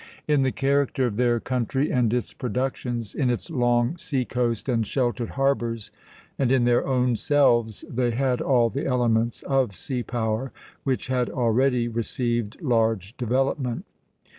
In the character of their country and its productions, in its long sea coast and sheltered harbors, and in their own selves, they had all the elements of sea power, which had already received large development.